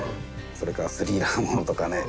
それからスリラーものとかね。